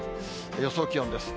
予想気温です。